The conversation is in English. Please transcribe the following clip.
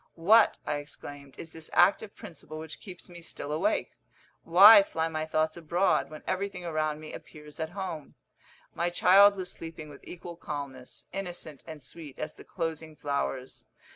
"What," I exclaimed, "is this active principle which keeps me still awake? Why fly my thoughts abroad, when everything around me appears at home?" My child was sleeping with equal calmness innocent and sweet as the closing flowers.